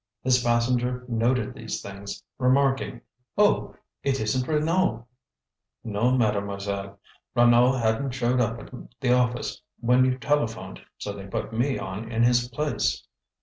His passenger noted these things, remarking: "Oh, it isn't Renaud!" "No, Mademoiselle; Renaud hadn't showed up at the office when you telephoned, so they put me on in his place."